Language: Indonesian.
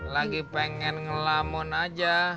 lagi pengen ngelamun aja